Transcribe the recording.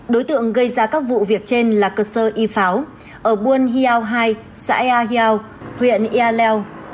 đối tượng gây ra các vụ việc trên là cửa sơ y pháo ở buôn hiau hai xã ea hiau huyện ehaleo